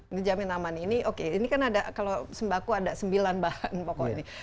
ini jamin aman ini oke ini kan ada kalau sembako ada sembilan bahan pokok ini